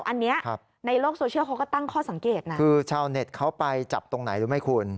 อันนี้ในโลกโซเชียลเขาก็ตั้งข้อสังเกตนะคือชาวเน็ตเขาไปจับตรงไหนรู้ไหมคุณ